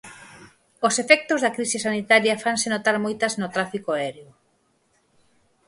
Os efectos da crise sanitaria fanse notar moitas no tráfico aéreo.